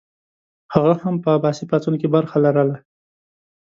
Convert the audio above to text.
هغه هم په عباسي پاڅون کې برخه لرله.